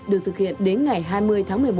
được thực hiện đến ngày hai mươi tháng một mươi một